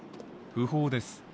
訃報です。